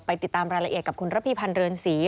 ติดตามรายละเอียดกับคุณระพีพันธ์เรือนศรี